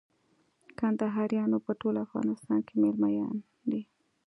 کندهاريان په ټول افغانستان کښي مېله يان دي.